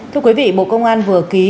thưa quý vị bộ công an vừa ký